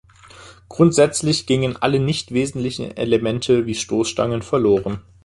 Grundsätzlich gingen alle nicht wesentlichen Elemente wie Stoßstangen verloren.